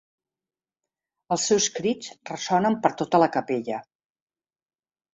Els seus crits ressonen per tota la capella.